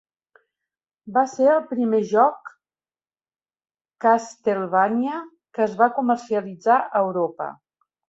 Va ser el primer joc "Castlevania" que es va comercialitzar a Europa.